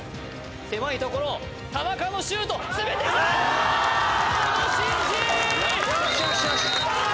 狭いところを田中のシュート攻めてきたー小野伸二！